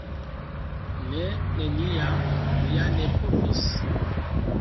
Ne, neniam, mi ja ne povis.